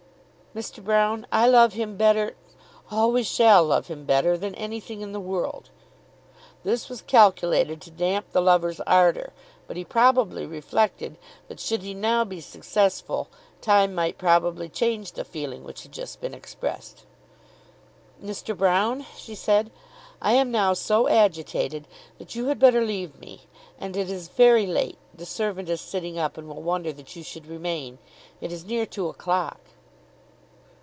"Mr. Broune, I love him better, always shall love him better, than anything in the world." This was calculated to damp the lover's ardour, but he probably reflected that should he now be successful, time might probably change the feeling which had just been expressed. "Mr. Broune," she said, "I am now so agitated that you had better leave me. And it is very late. The servant is sitting up, and will wonder that you should remain. It is near two o'clock."